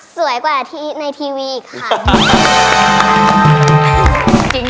สวยกว่าที่ในทีวีอีกค่ะ